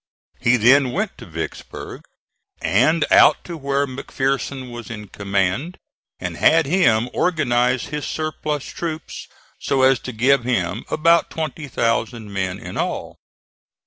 He then went to Vicksburg and out to where McPherson was in command, and had him organize his surplus troops so as to give him about 20,000 men in all.